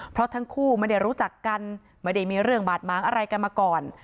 เพราะทั้งคู่ไม่ได้รู้จักกันไม่ได้มีเรื่องบาดม้างอะไรกันมาก่อน